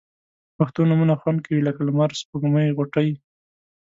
پښتو نومونه خوند کوي لکه لمر، سپوږمۍ، غوټۍ